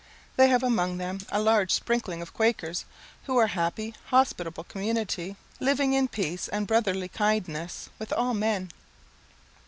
They have among them a large sprinkling of Quakers, who are a happy, hospitable community, living in peace and brotherly kindness with all men.